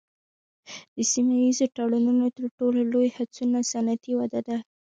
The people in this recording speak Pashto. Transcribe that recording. د سیمه ایزو تړونونو تر ټولو لوی هڅونه صنعتي وده ده